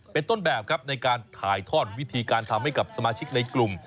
เป็นต้นแบบครับในการถ่ายทอดวิธีการทำให้กับสมาชิกในกลุ่ม